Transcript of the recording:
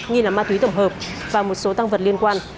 nghi là ma túy tổng hợp và một số tăng vật liên quan